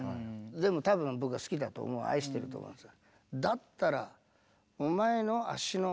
でも多分僕は好きだと思う愛してると思うんですよ。